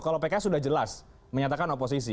kalau pks sudah jelas menyatakan oposisi